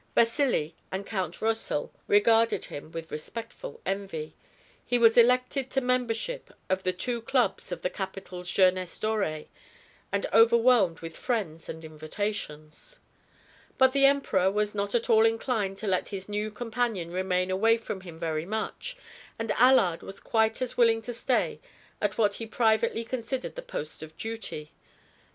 Vasili and Count Rosal regarded him with respectful envy; he was elected to membership of the two clubs of the capital's jeunesse dorée, and overwhelmed with friends and invitations. But the Emperor was not at all inclined to let his new companion remain away from him very much, and Allard was quite as willing to stay at what he privately considered the post of duty.